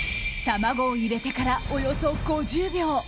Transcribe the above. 卵を入れてからおよそ５０秒。